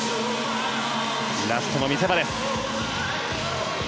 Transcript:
ラストの見せ場です。